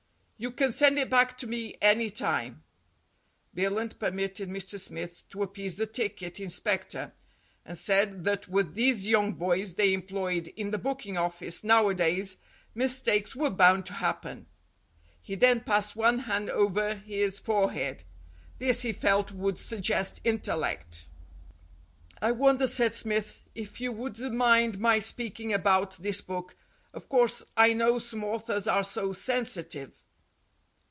"You can send it back to me any time." Billunt permitted Mr. Smith to appease the ticket inspector, and said that with these young boys they employed in the booking office nowadays mistakes were bound to happen. He then passed one hand over his forehead. This he felt would suggest intellect. "I wonder," said Smith, "if you would mind my speaking about this book. Of course, I know some authors are so sensitive."